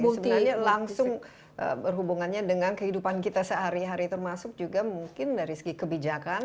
ini sebenarnya langsung berhubungannya dengan kehidupan kita sehari hari termasuk juga mungkin dari segi kebijakan